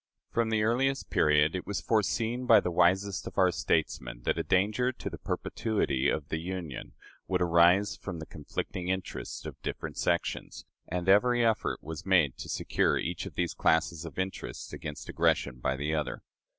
From the earliest period, it was foreseen by the wisest of our statesmen that a danger to the perpetuity of the Union would arise from the conflicting interests of different sections, and every effort was made to secure each of these classes of interests against aggression by the other.